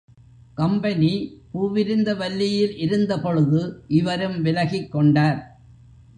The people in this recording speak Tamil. கம்பெனி பூவிருந்தவல்லியில் இருந்த பொழுது இவரும் விலகிக் கொண்டார்.